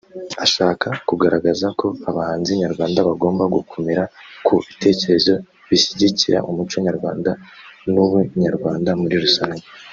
ashaka kugaragaza ko abahanzi nyarwanda bagomba gukomera ku bitekerezo bishyigikira umuco nyarwanda n’Ubunyarwanda muri rusange